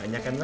banyak kan ma